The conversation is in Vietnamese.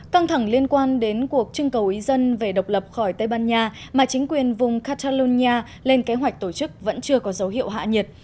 căng thẳng liên quan đến cuộc trưng cầu ý dân về độc lập khỏi tây ban nha mà chính quyền vùng catalonia lên kế hoạch tổ chức vẫn chưa có dấu hiệu hạ nhiệt